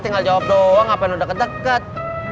tinggal jawab doang ngapain lu udah kedeket